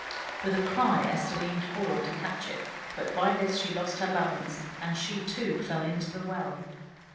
With a cry Esther leaned forward to catch it, but by this she lost her balance and she, too, fell into the well.